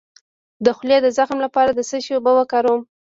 د خولې د زخم لپاره د څه شي اوبه وکاروم؟